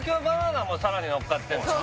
奈もさらにのっかってんだよ